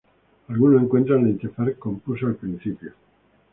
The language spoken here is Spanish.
Algunos encuentran la interfaz confusa al principio.